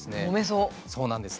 そうなんです。